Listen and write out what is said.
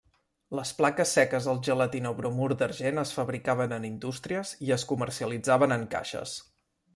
Les plaques seques al gelatinobromur d'argent es fabricaven en indústries i es comercialitzaven en caixes.